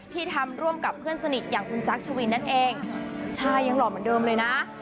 ที่ทำร่วมกับเพื่อนสนิทอย่างคุณจักรชวินนั่นเองใช่ยังหล่อเหมือนเดิมเลยนะ